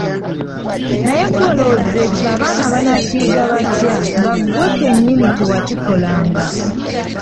Naye ggwe olowooza ekyo abaana banakiyiga batya nga ggwe kennyini tewakikolanga?